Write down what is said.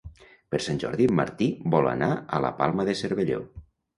Per Sant Jordi en Martí vol anar a la Palma de Cervelló.